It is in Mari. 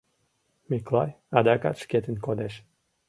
Миклай адакат шкетын кодеш.